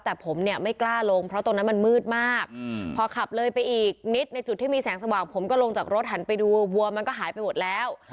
แต่ผมเนี่ยไม่กล้าลงเพราะตรงนั้นมันมืดมากพอขับเลยไปอีกนิดในจุดที่มีแสงสว่างผมก็ลงจากรถหันไปดูวัวมันก็หายไปหมดแล้ว